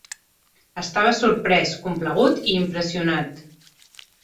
Estava sorprès, complagut i impressionat.